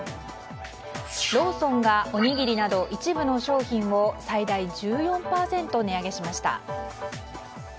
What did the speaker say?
ローソンが、おにぎりなど一部の商品を最大１４％値上げしました。